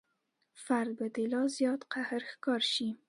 فرد به د لا زیات قهر ښکار شي.